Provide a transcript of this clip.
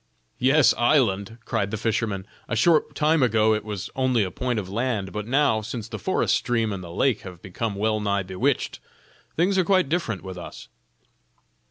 "Yes, island!" cried the fisherman; "a short time ago it was only a point of land; but now, since the forest stream and the lake have become well nigh bewitched, things are quite different with us."